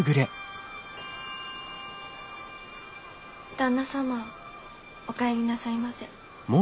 旦那様お帰りなさいませ。